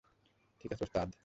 ঠিক আছে, ওস্তাদ!